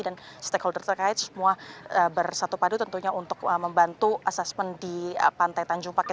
dan stakeholder terkait semua bersatu padu tentunya untuk membantu asasmen di pantai tanjung pakis